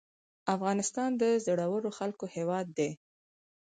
افغانستان د زړورو خلکو هیواد دی